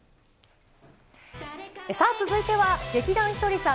さあ、続いては、劇団ひとりさん